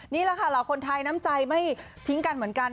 นี่แหละค่ะเหล่าคนไทยน้ำใจไม่ทิ้งกันเหมือนกัน